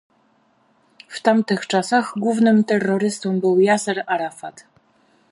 W tamtych czasach głównym terrorystą był Jaser Arafat